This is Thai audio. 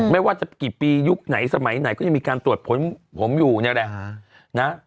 ไม่ว่าจะกี่ปียุคไหนสมัยไหนก็ยังมีการตรวจผลผมอยู่นี่แหละนะ